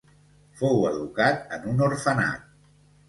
Fou educat en un orfenat.